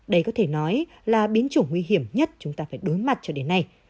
đây có thể nói là biến chủng nguy hiểm nhất chúng ta phải đối mặt cho đến nay